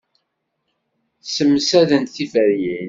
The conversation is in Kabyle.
Ssemsadent tiferyin.